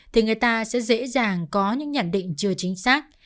thì người ta sẽ dễ dàng có những nhận định chưa chính xác